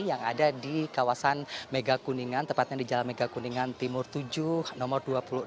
yang ada di kawasan mega kuningan tepatnya di jalan megakuningan timur tujuh nomor dua puluh enam